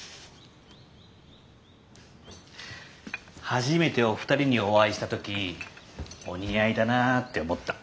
初めてお二人にお会いした時お似合いだなって思った。